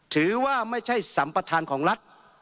ถือว่าไม่ใช่สัมประธานของรัฐ